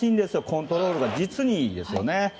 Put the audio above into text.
コントロールが実にいいです。